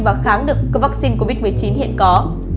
và kháng được các vaccine covid một mươi chín hiện có